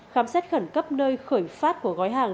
khám xét khẩn cấp nơi khởi phát của gói hàng